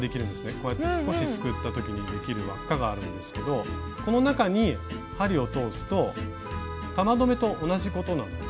こうやって少しすくった時にできる輪っかがあるんですけどこの中に針を通すと玉留めと同じことなので。